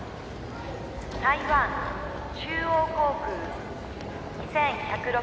「台湾中央航空２１０６